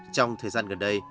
trong thời gian gần đây